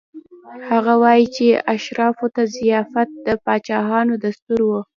هغه وايي چې اشرافو ته ضیافت د پاچایانو دستور و.